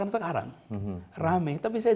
sekarang rame tapi saya